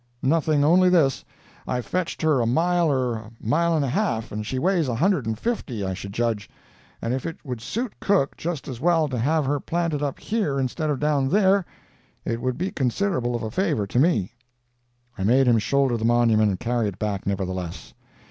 Nothing only this—I've fetched her a mile or a mile and a half, and she weighs a hundred and fifty I should judge, and if it would suit Cook just as well to have her planted up here instead of down there, it would be considerable of a favor to me." I made him shoulder the monument and carry it back, nevertheless.